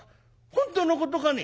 「本当のことかね？」。